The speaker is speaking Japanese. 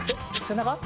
背中？